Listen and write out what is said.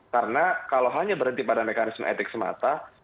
karena kalau hanya berhenti pada mekanisme etik semata